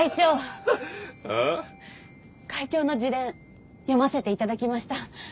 ん？会長の自伝読ませていただきました。